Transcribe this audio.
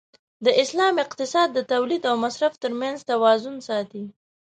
د اسلام اقتصاد د تولید او مصرف تر منځ توازن ساتي.